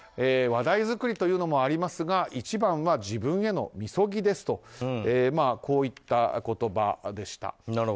話題作りというのもありますが一番は自分へのみそぎですといった言葉でした。